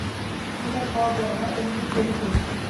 তুমি তাহার স্বভাব জান না এই নিমিত্ত এরূপ কহিতেছ।